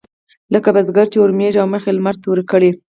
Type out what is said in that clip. لکه بزګر چې اورمېږ او مخ يې لمر تور کړي.